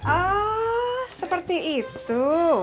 oh seperti itu